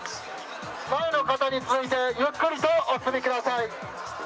前の方に続いてゆっくりとお進みください。